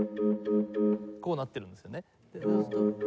こうなってるんですよね。